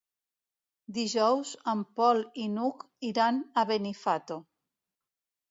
Dijous en Pol i n'Hug iran a Benifato.